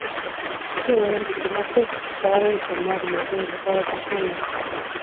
هیله لرم چې زما کور تل زما د ملګرو لپاره کوچنی وي.